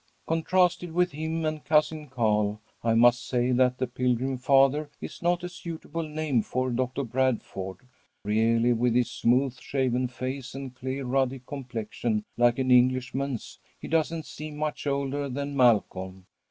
"Contrasted with him and Cousin Carl, I must say that the Pilgrim Father is not a suitable name for Doctor Bradford. Really, with his smooth shaven face, and clear ruddy complexion like an Englishman's, he doesn't seem much older than Malcolm.